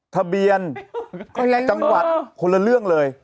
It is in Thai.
ทะเบียนคนละจังหวัดคนละเรื่องเลย